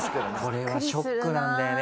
これはショックなんだよね。